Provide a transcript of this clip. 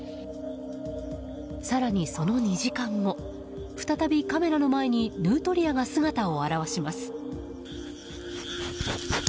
更にその２時間後再びカメラの前にヌートリアが姿を現します。